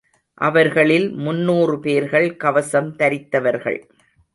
அவர்களில் முந்நூறு பேர்கள் கவசம் தரித்தவர்கள்.